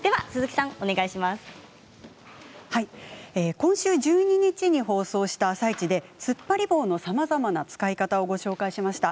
今週１２日に放送した「あさイチ」でつっぱり棒のさまざまな使い方をご紹介しました。